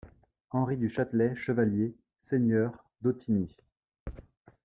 Henri du Châtelet, chevalier, seigneur d'Autigny.